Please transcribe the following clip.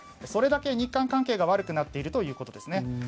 それだけ日韓関係が悪くなっているということですね。